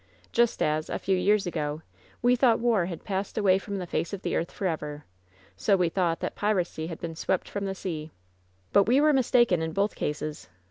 Just as, a few years ago, we thought war had passed away from the face of the earth forever, so we thought that piracy had been swept from the sea. But we were mistaken in both cases.